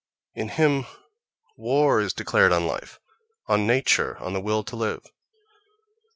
In him war is declared on life, on nature, on the will to live!